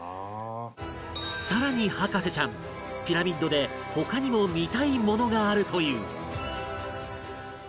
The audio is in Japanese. さらに博士ちゃんピラミッドで他にも見たいものがあるという